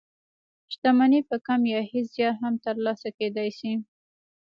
شتمني په کم يا هېڅ زيار هم تر لاسه کېدلای شي.